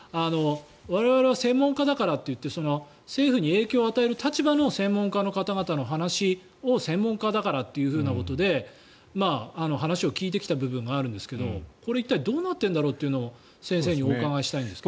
我々は専門家だからといって政府に影響を与える立場の専門家の方々の話を専門家だからっていうことで話を聞いてきた部分があるんですがこれ、一体どうなっているんだろうというのを先生にお伺いしたいんです。